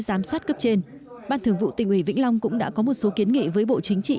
giám sát cấp trên ban thường vụ tỉnh ủy vĩnh long cũng đã có một số kiến nghị với bộ chính trị